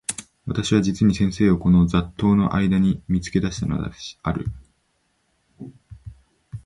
私は実に先生をこの雑沓（ざっとう）の間（あいだ）に見付け出したのである。